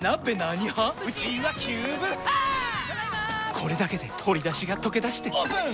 これだけで鶏だしがとけだしてオープン！